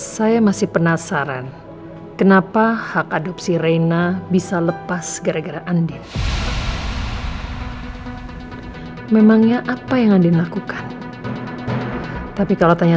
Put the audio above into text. sampai jumpa di video selanjutnya